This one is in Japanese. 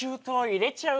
入れちゃう。